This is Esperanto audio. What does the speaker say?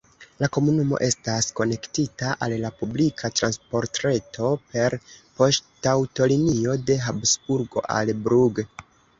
La komunumo estas konektita al la publika transportreto per poŝtaŭtolinio de Habsburgo al Brugg.